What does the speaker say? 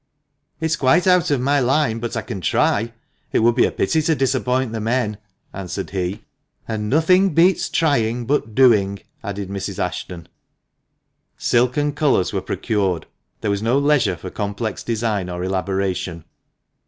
" It is quite out of my line, but I can try. It would be a pity to disappoint the men," answered he. " And nothing beats trying but doing," added Mrs. Ashton. Silk and colours were procured. There was no leisure for complex design or elaboration.